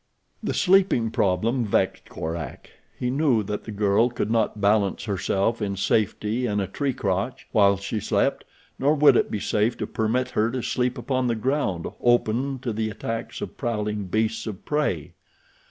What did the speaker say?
The sleeping problem vexed Korak. He knew that the girl could not balance herself in safety in a tree crotch while she slept, nor would it be safe to permit her to sleep upon the ground open to the attacks of prowling beasts of prey.